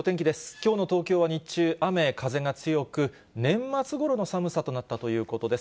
きょうの東京は日中、雨、風が強く、年末ごろの寒さとなったということです。